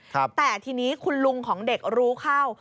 แต่ทีนี้คุณลุงของเด็กรู้เข้า